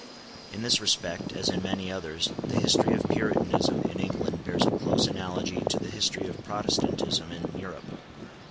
In this respect, as in many others, the history of Puritanism in England bears a close analogy to the history of Protestantism in Europe.